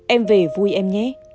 em về vui em nhé